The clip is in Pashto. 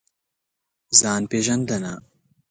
ځان پېژندنه.